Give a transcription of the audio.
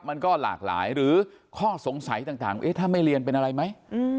มันก็หลากหลายหรือข้อสงสัยต่างถ้าไม่เรียนเป็นอะไรไหม